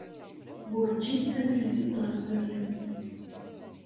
Wurǧin ssawlent-d ɣef waya.